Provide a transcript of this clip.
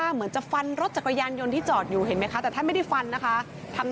หลุมพ่อวางนี่กล่อมนะครับ